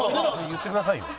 言ってくださいよ。